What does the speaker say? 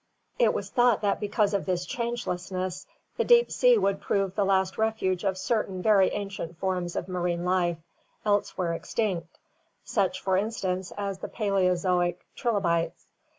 It was thought that because of its changelessness the deep sea would prove the last refuge of certain very ancient forms of marine life, elsewhere extinct, such for instance as the Paleozoic trilobites.